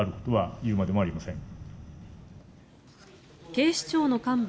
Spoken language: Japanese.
警視庁の幹部